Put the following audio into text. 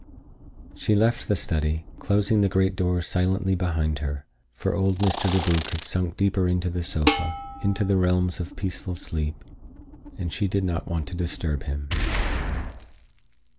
She left the study, closing the great door silently behind her, for old Mr. DeBrugh had sunk deeper into the sofa, into the realms of peaceful sleep, and she did not wish to disturb him.